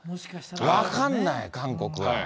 分かんない、韓国は。